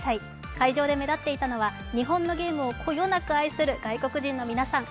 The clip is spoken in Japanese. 会場で目立っていたのは日本のゲームをこよなく愛する外国人の皆さん。